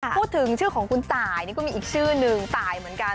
พูดถึงชื่อของคุณตายนี่ก็มีอีกชื่อหนึ่งตายเหมือนกัน